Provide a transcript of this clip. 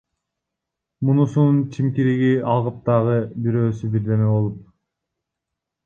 Мунусунун чимкириги агып, дагы бирөөсү бирдеме болуп!